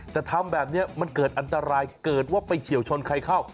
แต่ทำแบบนี้มันเกิดอันตรายเกิดว่าไปเฉียวชนใครเข้า